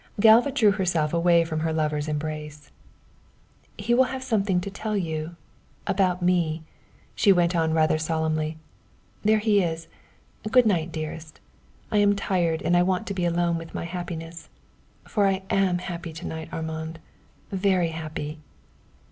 Galva drew herself away from her lover's embrace. "He will have something to tell you about me," she went on rather solemnly; "there he is. Good night, dearest; I am tired and I want to be alone with my happiness for I am happy to night, Armand very happy."